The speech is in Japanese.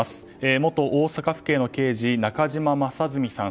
元大阪府警の刑事、中島正純さん